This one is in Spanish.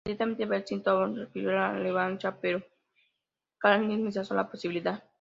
Inmediatamente Veselin Topalov requirió la revancha, pero Krámnik rechazó la posibilidad.